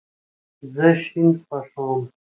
زه شین خوښوم